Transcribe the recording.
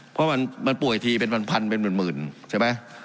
เพราะว่ามันป่วยทีเป็นพันธุ์พันธุ์เป็นหมื่นหมื่นใช่ไหม